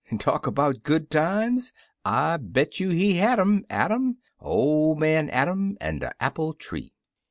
Talk 'bout good times! I bet you he had 'em — Adam — or man Adam un' de Appile tree.